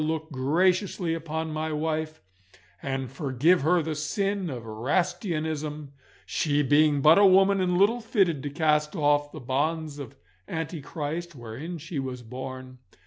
look graciously upon my wife, and forgive her the sin of Erastianism, she being but a woman and little fitted to cast off the bonds of antichrist wherein she was born.